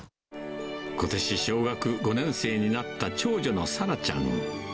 ことし小学５年生になった長女の咲羅ちゃん。